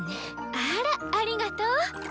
あらありがとう。